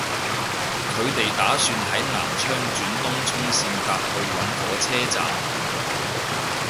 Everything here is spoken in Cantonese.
佢哋打算喺南昌轉東涌綫搭去搵火車站